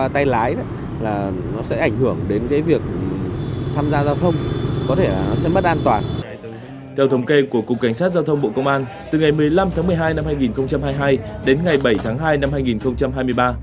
theo thống kê của cục cảnh sát giao thông bộ công an từ ngày một mươi năm tháng một mươi hai năm hai nghìn hai mươi hai đến ngày bảy tháng hai năm hai nghìn hai mươi ba